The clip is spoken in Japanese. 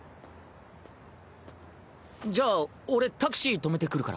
じゃあ俺タクシー止めてくるから。